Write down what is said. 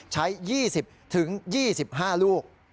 ใช้๒๐๒๕ลูก